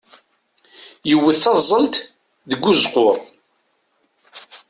Yewwet taẓẓelt deg uzeqqur.